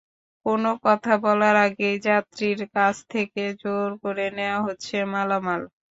কোনো কথা বলার আগেই যাত্রীর কাছ থেকে জোর করে নেওয়া হচ্ছে মালামাল।